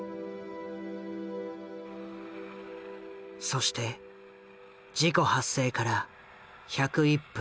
そして事故発生から１０１分